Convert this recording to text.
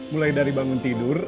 mulai dari bangun tidur